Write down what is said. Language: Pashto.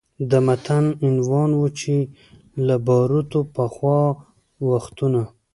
د متن عنوان و چې له باروتو پخوا وختونه